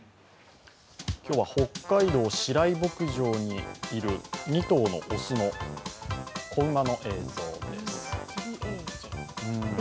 今日は北海道・白井牧場にいる２頭の雄の子馬の映像です。